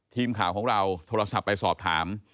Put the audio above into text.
ทีมข่าวของเราโทรศัพท์ไปสอบถาม